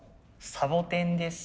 サボテンです。